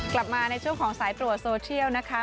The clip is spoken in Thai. กลับมาในช่วงของสายตรวจโซเชียลนะคะ